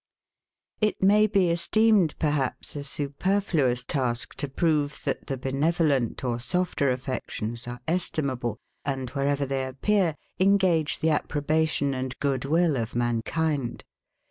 It may be esteemed, perhaps, a superfluous task to prove, that the benevolent or softer affections are estimable; and wherever they appear, engage the approbation and good will of mankind.